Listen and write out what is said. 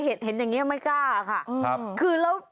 เห็นอย่างนี้ไม่กล้าค่ะ